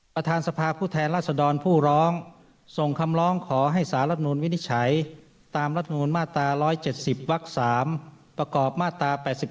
ประธานสภาผู้แทนรัศดรผู้ร้องส่งคำร้องขอให้สารรับนูลวินิจฉัยตามรัฐมนุนมาตรา๑๗๐วัก๓ประกอบมาตรา๘๔